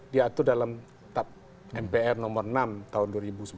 diatur dalam tab mpr nomor enam tahun dua ribu sebelas